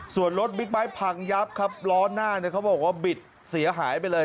ส่วนรถบิ๊กไบท์พังยับครับล้อหน้าเนี่ยเขาบอกว่าบิดเสียหายไปเลย